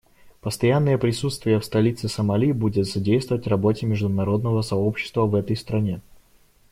Постоянное присутствие в столице Сомали будет содействовать работе международного сообщества в этой стране.